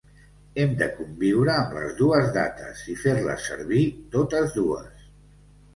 Hem de conviure amb les dues dates i fer-les servir totes dues.